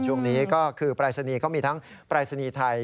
ช่วงนี้ก็คือปรายศนีย์เขามีทั้งปรายศนีย์ไทย